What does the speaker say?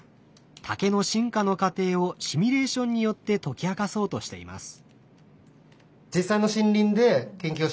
竹の進化の過程をシミュレーションによって解き明かそうとしています。